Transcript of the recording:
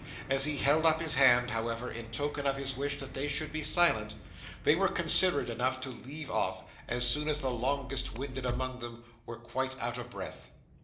As he held up his hand, however, in token of his wish that they should be silent, they were considerate enough to leave off, as soon as the longest winded among them were quite out of breath.